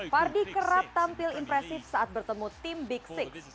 vardy kerap tampil impresif saat bertemu tim big six